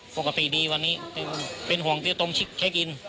ปกติดีวันนี้เป็นห่วงต้องเช็คอิน